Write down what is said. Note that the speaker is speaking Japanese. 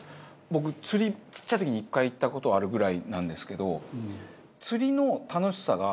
僕釣りちっちゃい時に１回行った事あるぐらいなんですけど。